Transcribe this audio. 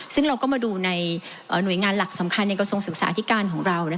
ซึ่งเราก็มาดูในหน่วยงานหลักสำคัญในกระทรวงศึกษาที่การของเรา